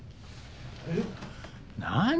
えっ？何！？